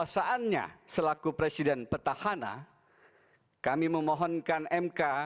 saya akan segera kembali